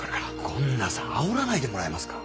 権田さんあおらないでもらえますか？